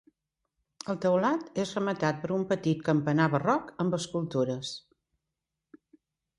El teulat és rematat per un petit campanar barroc amb escultures.